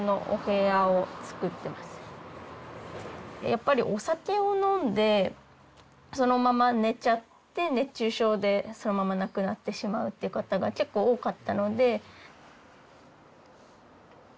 やっぱりお酒を飲んでそのまま寝ちゃって熱中症でそのまま亡くなってしまうという方が結構多かったので。